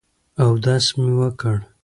اودس مې وکړ.